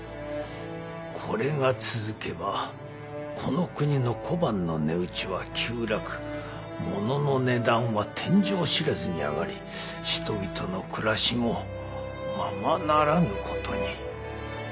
これが続けばこの国の小判の値打ちは急落ものの値段は天井知らずに上がり人々の暮らしもままならぬことに。